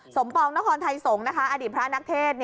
ปองนครไทยสงฆ์อดีตพระนักเทศ